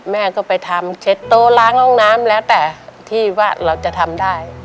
แม่ก็ไปทำเช็ดโต๊ะล้างห้องน้ำแล้วแต่ที่ว่าเราจะทำได้